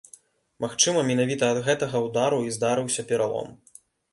Магчыма, менавіта ад гэтага ўдару і здарыўся пералом.